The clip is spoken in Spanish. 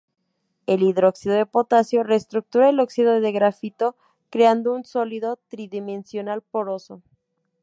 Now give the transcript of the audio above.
El hidróxido de potasio reestructura el óxido de grafito creando un sólido tridimensional poroso.